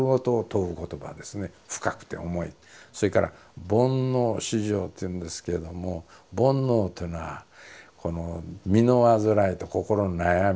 それから「煩悩熾盛」っていうんですけれども煩悩というのは身のわずらいと心の悩みですね。